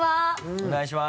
お願いします。